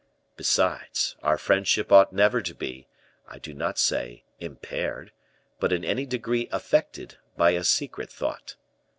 Besides, our friendship ought never to be, I do not say impaired, but in any degree affected, by a secret thought.